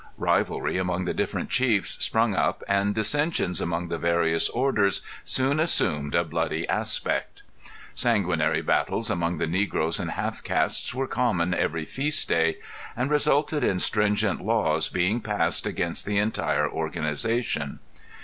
Rivalry among the different chiefs sprung up and dissensions among the various orders soon assumed a bloody aspect. Sanguinary battles among the negros and half castes were common every feast day and resulted in stringent laws being passed against the entire organization.